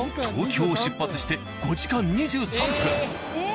東京を出発して５時間２３分。